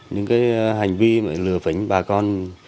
những hành vi lừa phánh bà con